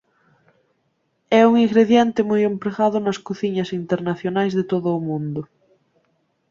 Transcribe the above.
É un ingrediente moi empregado nas cociñas internacionais de todo o mundo.